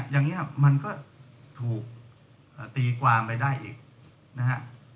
อย่างนี้มันก็ถูกตีความไปได้อีกนะฮะ